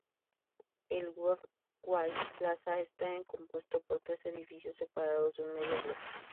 El Worldwide Plaza está compuesto por tres edificios, separados de un medio "block".